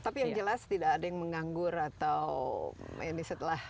tapi yang jelas tidak ada yang menganggur atau ini setelah